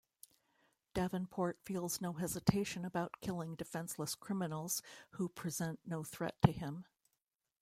Davenport feels no hesitation about killing defenseless criminals who present no threat to him.